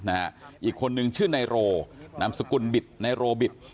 คืออายุ๓๓อีกคนนึงชื่อนายโรนามสกุลบิตไนโรบิต